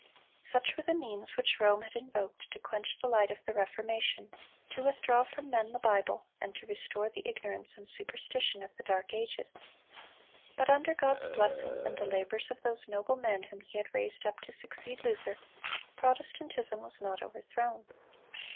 Such were the means which Rome had invoked to quench the light of the Reformation, to withdraw from men the Bible, and to restore the ignorance and superstition of the Dark Ages. But under God's blessing and the labors of those noble men whom He had raised up to succeed Luther, Protestantism was not overthrown.